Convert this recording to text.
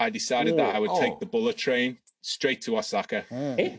えっ？